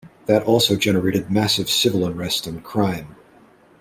That also generated massive civil unrest and crime.